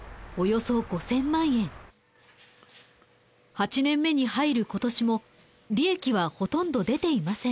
８年目に入る今年も利益はほとんど出ていません。